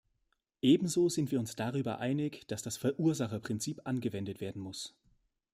Ebenso sind wir uns darüber einig, dass das Verursacherprinzip angewendet werden muss.